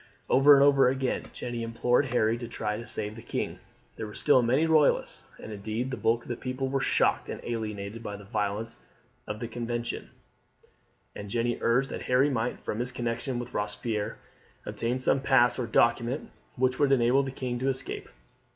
Over and over again Jeanne implored Harry to try to save the king. There were still many Royalists, and indeed the bulk of the people were shocked and alienated by the violence of the Convention; and Jeanne urged that Harry might, from his connection with Robespierre, obtain some pass or document which would enable the king to escape.